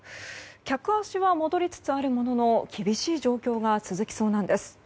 客足は戻りつつあるものの厳しい状況が続きそうなんです。